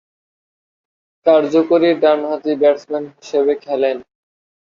কার্যকরী ডানহাতি ব্যাটসম্যান হিসেবে খেলেন।